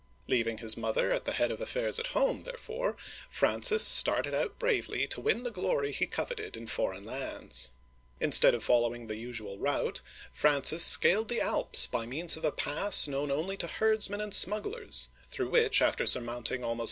Leaving his mother at the head of affairs at home, therefore, Francis started out bravely to win the glory he coveted in foreign lands. Instead of following the usual route, Francis scaled the Alps by means of a pass known only to herdsmen and smugglers, through which, after surmounting almost uigiTizea Dy vjiOOQlC ("8) Digitized by Google FRANCIS I.